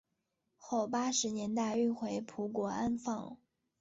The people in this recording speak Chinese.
后八十年代运回葡国安放。